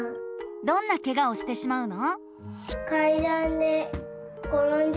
どんなケガをしてしまうの？